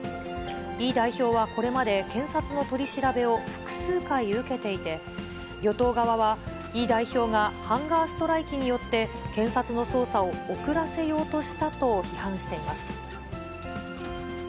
イ代表はこれまで検察の取り調べを複数回受けていて、与党側はイ代表がハンガーストライキによって、検察の捜査を遅らせようとしたと批判しています。